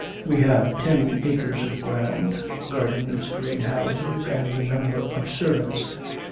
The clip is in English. We have ten acres of ground gardens, greenhouses, and a number of servants.